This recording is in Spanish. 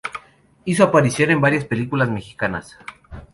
Hizo aparición en varias películas mexicanas.